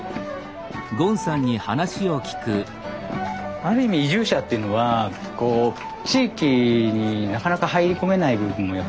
ある意味移住者っていうのは地域になかなか入り込めない部分もやっぱあるわけですよ。